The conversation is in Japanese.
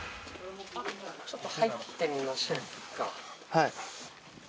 はい。